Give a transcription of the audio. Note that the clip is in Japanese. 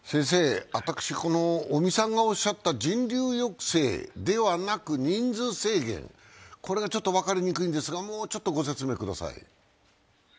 私、この尾身さんがおっしゃった人流抑制ではなく人数制限、これがちょっと分かりにくいんですがもうちょっとご説明ください。